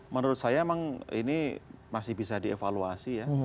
menurut saya memang ini masih bisa dievaluasi ya